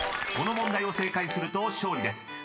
［この問題を正解すると勝利です